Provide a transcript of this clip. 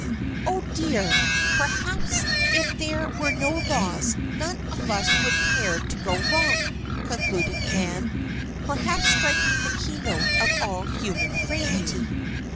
"Oh, dear! perhaps if there were no laws none of us would care to go wrong," concluded Nan, perhaps striking the key note of all human frailty.